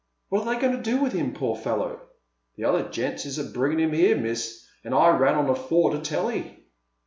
"What are they going to do with him, poor fellow ?" "The other gents is a bringin' him 'ere, miss, and I ran on afore to tell 'ee."